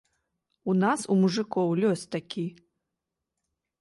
У нас, у мужыкоў, лёс такі.